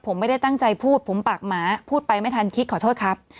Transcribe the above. ผมไม่ได้ตั้งใจพูดผมปากหมาพูดไปไม่ทันคิดขอโทษครับ